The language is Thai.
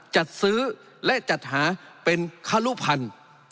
จัดซื้อและจัดหาเป็นคละลุภัณฑ์